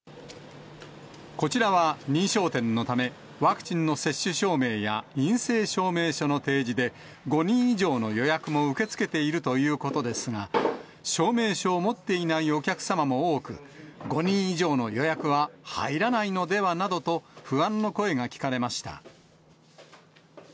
こちらは認証店のため、ワクチンの接種証明や、陰性証明書の提示で、５人以上の予約も受け付けているということですが、証明書を持っていないお客様も多く、５人以上の予約は入らないのではなどと、不安の声が聞かれました。